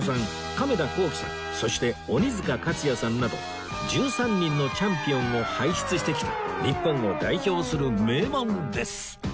亀田興毅さんそして鬼塚勝也さんなど１３人のチャンピオンを輩出してきた日本を代表する名門です